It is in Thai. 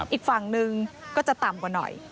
อีกฝั่งหนึ่งก็จะต่ำกว่าหน่อย